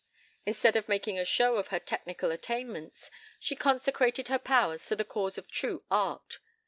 Instead of making a show of her technical attainments, she consecrated her powers to the cause of true art.